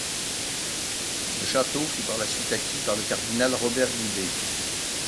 Le château fut par la suite acquis par le cardinal Robert Guibé.